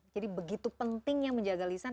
jadi begitu penting yang menjaga lisan